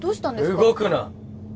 動くな！